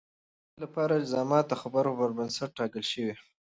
د سولې لپاره الزامات د خبرو پر بنسټ ټاکل شوي.